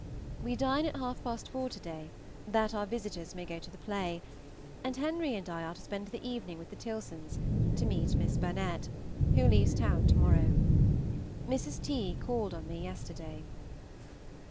We dine at half past four to day, that our visitors may go to the play, and Henry and I are to spend the evening with the Tilsons, to meet Miss Burnett, who leaves town to morrow. Mrs. T. called on me yesterday.